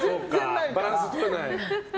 バランスとれない。